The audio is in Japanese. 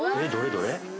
どれ？